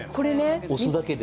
押すだけで。